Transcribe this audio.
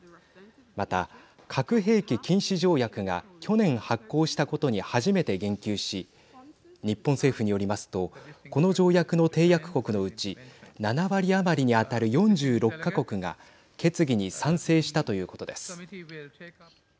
また、核兵器禁止条約が去年発効したことに初めて言及し日本政府によりますとこの条約の締約国のうち７割余りに当たる４６か国が決議に賛成したということです。